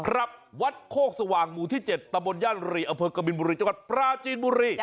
วัดโคกสว่างหมู่ที่๗ตะบนย่านรีอำเภอกบินบุรีจังหวัดปราจีนบุรี